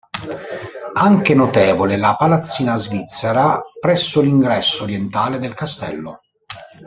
Anche notevole la "Palazzina Svizzera" presso l'ingresso orientale del castello.